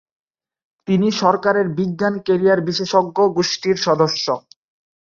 তিনি সরকারের বিজ্ঞান ক্যারিয়ার বিশেষজ্ঞ গোষ্ঠীর সদস্য।